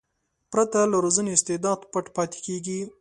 پرته له روزنې استعداد پټ پاتې کېږي.